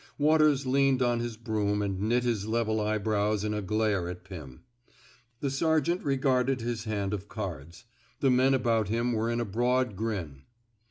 Waters leaned on his broom and knit his level eyebrows in a glare at Pim. The ser geant regarded his hand of cards. The men about him were in a broad grin.